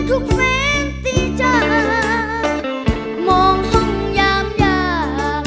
ทุกเฟ้นตีจากมองห้องยามยาก